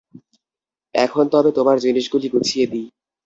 এখন তবে তোমার জিনিসগুলি গুছিয়ে দিই।